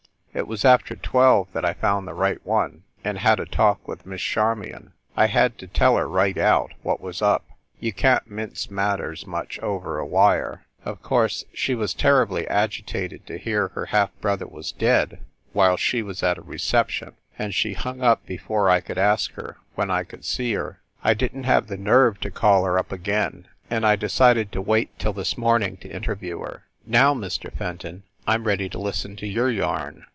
It was after twelve that I found the right one, and had a talk with Miss Charmion. I had to tell her, right out, what was up. You can t mince matters much over a wire. Of course she was terribly agitated to hear her half brother was dead while she was at a reception, and she hung up before I could ask her when I could see her. I didn t have the nerve to call her up again and I de cided to wait till this morning to interview her. Now, Mr. Fenton, I m ready to listen to your yarn."